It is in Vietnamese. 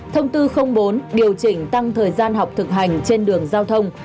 thông tư bốn điều chỉnh tăng thời gian học thực hành trên đường giao thông